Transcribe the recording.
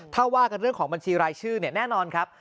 ถ้าว่ากันเรื่องของบัญชีรายชื่อเนี่ยแน่นอนครับ